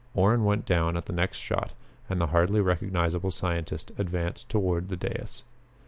Orrin went down at the next shot and the hardly recognizable scientist advanced toward the dais.